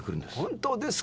本当ですか。